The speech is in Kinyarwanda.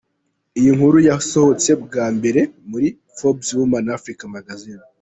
Iyi nkuru yasohotse bwa mbere muri Forbes Woman Africa Magazine.